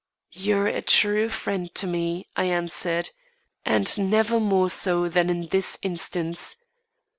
"You're a true friend to me," I answered, "and never more so than in this instance.